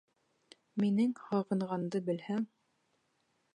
Минең һағынғанды белһәң!..